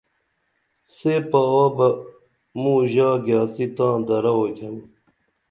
سے پاوہ بہ موں ژا گیاڅی تاں درہ اُوئتھم